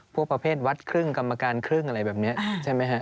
พวกประเภทวัดครึ่งกรรมการครึ่งอะไรแบบนี้ใช่ไหมฮะ